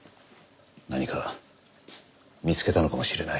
何か見つけたのかもしれない。